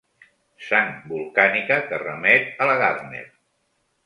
Sang volcànica que remet a la Gardner.